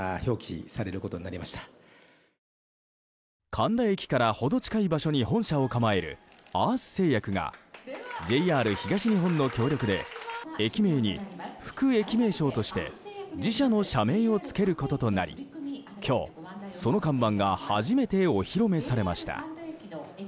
神田駅から程近い場所に本社を構えるアース製薬がＪＲ東日本の協力で駅名に副駅名称として自社の社名をつけることとなり今日、その看板が初めて、お披露目されました。